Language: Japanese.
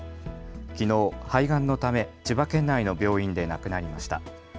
きのう肺がんのため、千葉県内の病院で亡くなりました。